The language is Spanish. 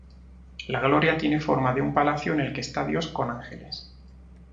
La "Gloria" tiene forma de un palacio en el que está Dios con ángeles.